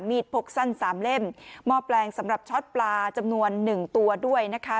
พกสั้นสามเล่มหม้อแปลงสำหรับช็อตปลาจำนวนหนึ่งตัวด้วยนะคะ